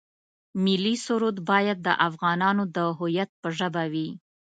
ملي سرود باید د افغانانو د هویت په ژبه وي.